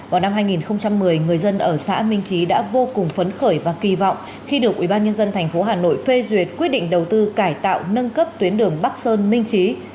vào năm hai nghìn một mươi người dân ở xã minh trí đã vô cùng phấn khởi và kỳ vọng khi được ubnd tp hà nội phê duyệt quyết định đầu tư cải tạo nâng cấp tuyến đường bắc sơn minh trí